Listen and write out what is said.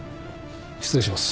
失礼します。